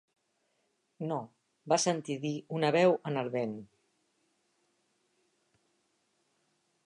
"No", va sentir dir una veu en el vent.